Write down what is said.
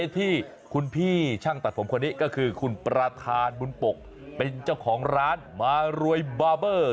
ที่คุณพี่ช่างตัดผมคนนี้ก็คือคุณประธานบุญปกเป็นเจ้าของร้านมารวยบาเบอร์